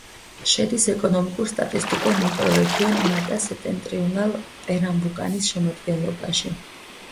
შედის ეკონომიკურ-სტატისტიკურ მიკრორეგიონ მატა-სეტენტრიუნალ-პერნამბუკანის შემადგენლობაში.